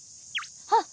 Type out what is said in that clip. あっ！